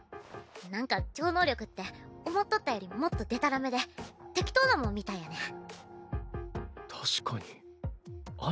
なんか超能力って思っとったよりもっとデタラメで適当なもんみたいやねん。